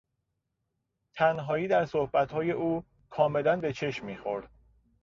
تنهایی در صحبتهای او کاملا به چشم میخورد.